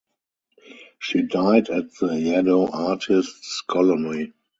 She died at the Yaddo artists colony.